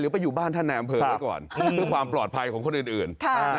ไปอยู่บ้านท่านในอำเภอไว้ก่อนเพื่อความปลอดภัยของคนอื่น